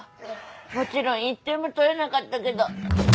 もちろん１点も取れなかったけど。